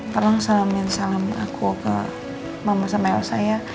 tolong salamin salam aku ke mama sama elsa ya